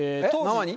ママに？